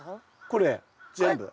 これ全部。